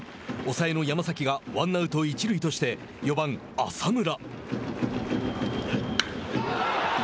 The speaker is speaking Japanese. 抑えの山崎がワンアウト、一塁として４番浅村。